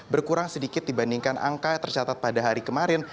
berkurang sedikit dibandingkan angka yang tercatat pada hari kemarin